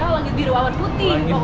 langit biru awan putih